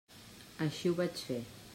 Així ho vaig fer.